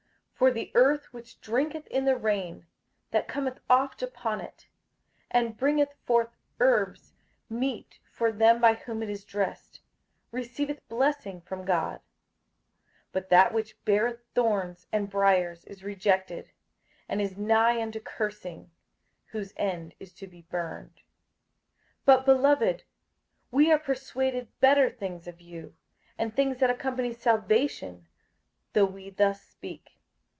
58:006:007 For the earth which drinketh in the rain that cometh oft upon it, and bringeth forth herbs meet for them by whom it is dressed, receiveth blessing from God: 58:006:008 But that which beareth thorns and briers is rejected, and is nigh unto cursing; whose end is to be burned. 58:006:009 But, beloved, we are persuaded better things of you, and things that accompany salvation, though we thus speak.